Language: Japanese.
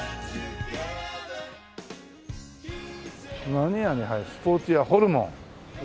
何屋に入るスポーツ屋ホルモン。